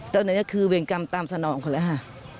ตอนนั้นก็คือเวรกรรมตามสนองเขาแล้วค่ะ